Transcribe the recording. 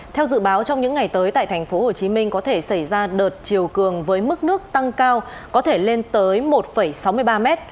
theo dự báo trong những ngày tới tại tp hcm có thể xảy ra đợt chiều cường với mức nước tăng cao có thể lên tới một sáu mươi ba m